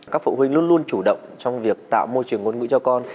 các phụ huynh luôn luôn chủ động trong việc tạo môi trường ngôn ngữ cho con